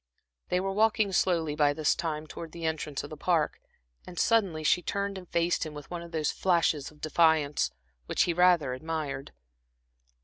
They were walking slowly by this time towards the entrance of the Park, and suddenly she turned and faced him with one of those flashes of defiance, which he rather admired.